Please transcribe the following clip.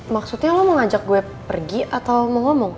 maksudnya lo mau ngajak gue pergi atau mau ngomong